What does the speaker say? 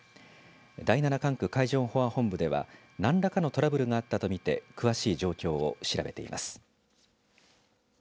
第７管区海上保安本部では何らかのトラブルがあったと見て詳しい状況を調べています。